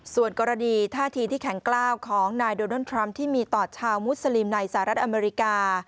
ส่วนกรณีท่าทีที่แข็งกล้าวของนายโดนัลดทรัมป์ที่มีต่อชาวมุสลิมในสหรัฐอเมริกา